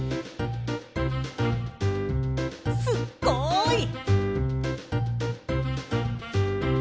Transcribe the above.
すっごい！